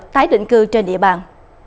tái định cư trên địa bàn